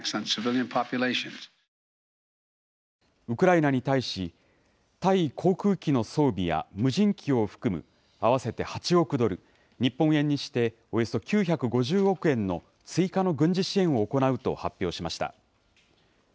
ウクライナに対し対航空機の装備や無人機を含む合わせて８億ドル、日本円にしておよそ９５０億円の追加の軍事支援を行うと発表しました。